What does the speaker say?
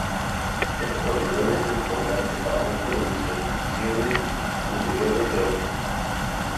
Esta propiedad es importante para muchas demostraciones en teoría de grafos.